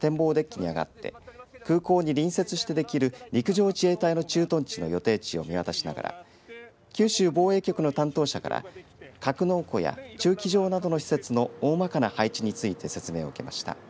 デッキに上がって空港に隣接してできる陸上自衛隊の駐屯地の予定地を見渡しながら九州防衛局の担当者から格納庫や駐機場などの施設の大まかな配置について説明を受けました。